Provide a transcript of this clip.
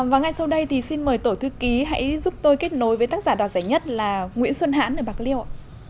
và ngay sau đây thì xin mời tổ thư ký hãy giúp tôi kết nối với tác giả đoạt giải nhất là nguyễn xuân hãn ở bạc liêu ạ